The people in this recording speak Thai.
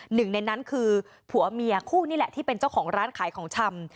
หนึ่งในนั้นคือผัวเมียคู่นี่แหละที่เป็นเจ้าของร้านขายของชำ